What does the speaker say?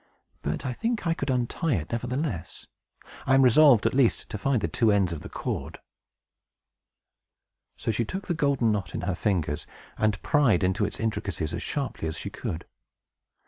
"But I think I could untie it nevertheless. I am resolved, at least, to find the two ends of the cord." So she took the golden knot in her fingers, and pried into its intricacies as sharply as she could.